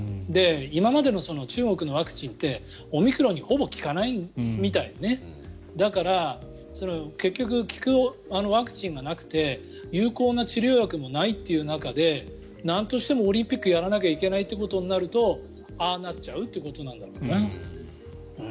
今までの中国のワクチンってオミクロンにほぼ効かないみたいで結局効くワクチンがなくて有効な治療薬もないという中でなんとしてもオリンピックをやらなきゃいけないということになるとああなっちゃうということなんだろうな。